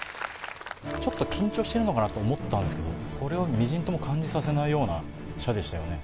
ちょっと緊張してるのかなと思ったんですけどそれをみじんとも感じさせないような射でしたよね